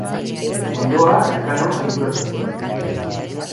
Mundua Elkanok inguratu zuen.